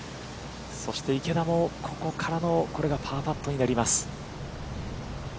そして池田もここからのこれがパーパットになります。